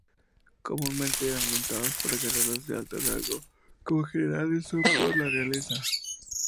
Comúnmente eran montados por guerreros de alto rango como generales o por la realeza.